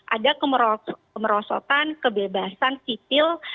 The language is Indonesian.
ada kemerosotan kebebasan sipil